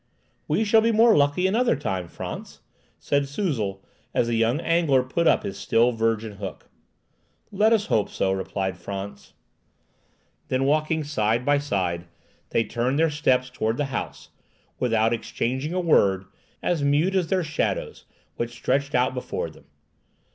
"We shall be more lucky another time, Frantz," said Suzel, as the young angler put up his still virgin hook. "Let us hope so," replied Frantz. Then walking side by side, they turned their steps towards the house, without exchanging a word, as mute as their shadows which stretched out before them.